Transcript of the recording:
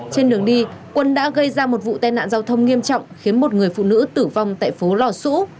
trên đường đi quân đã gây ra một vụ tai nạn giao thông nghiêm trọng khiến một người phụ nữ tử vong tại phố lò xũ